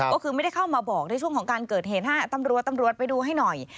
ก็คือไม่ได้เข้ามาบอกในช่วงของการเกิดเหตุตำรวจตำรวจไปดูให้หน่อย